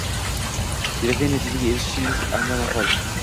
kerakli natijaga erishishingiz amrimahol.